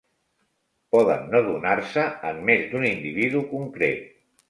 Poden no donar-se en més d'un individu concret.